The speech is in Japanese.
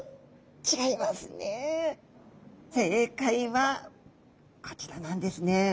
正解はこちらなんですね。